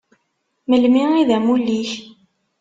Melmi i d amulli-k?